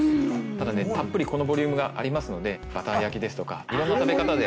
ただたっぷりこのボリュームがありますのでバター焼きですとかいろんな食べ方で。